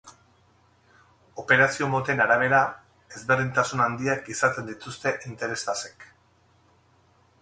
Operazio-moten arabera, ezberdintasun handiak izaten dituzte interes-tasek.